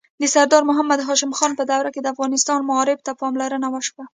د سردار محمد هاشم خان په دوره کې د افغانستان معارف ته پاملرنه وشوه.